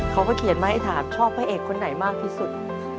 เขาก็เขียนมาให้ถามชอบพระเอกคนไหนมากที่สุด